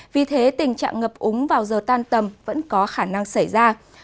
vì thế tình trạng ngập úng vào giờ tan tầm vẫn có khả năng xảy ra